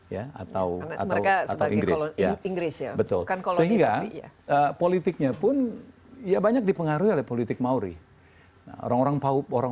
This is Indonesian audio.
ya atau atau atau inggris betul sehingga politiknya pun ia banyak dipengaruhi oleh politik mauri orang